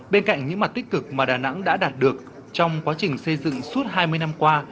bên cạnh những mặt tích cực mà đà nẵng đã đạt được trong quá trình xây dựng suốt hai mươi năm qua